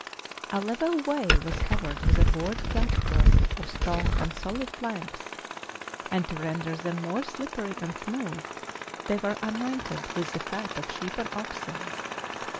A level way was covered with a board platform of strong and solid planks; and to render them more slippery and smooth, they were anointed with the fat of sheep and oxen.